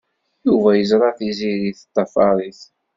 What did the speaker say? Yuba yeẓra Tiziri teṭṭafar-it.